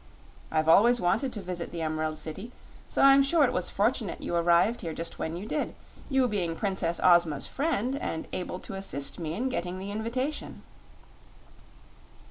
I've always wanted to visit the Emerald City, so I'm sure it was fortunate you arrived here just when you did, you being Princess Ozma's friend and able to assist me in getting the invitation."